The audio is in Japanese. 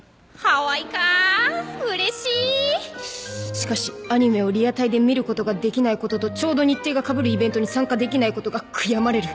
しかしアニメをリアタイで見ることができないこととちょうど日程がかぶるイベントに参加できないことが悔やまれる